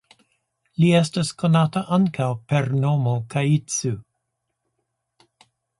Li estas konata ankaŭ per nomo "Kaitsu".